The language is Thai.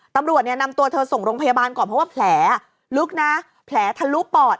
ตำรวจเนี่ยนำตัวเธอส่งโรงพยาบาลก่อนเพราะว่าแผลลึกนะแผลทะลุปอด